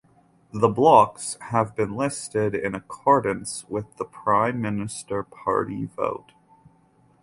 The blocs have been listed in accordance with the Prime Minister party vote.